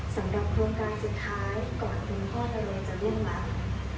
สำหรับโครงการสุดท้ายก่อนคุณพ่อทะเลจะล่วงรับ